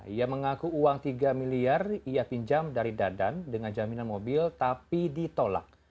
ia mengaku uang tiga miliar ia pinjam dari dadan dengan jaminan mobil tapi ditolak